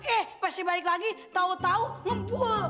eh pasti balik lagi tau tau ngebul